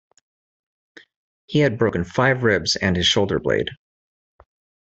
He had broken five ribs and his shoulder-blade.